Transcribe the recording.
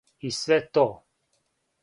И све то?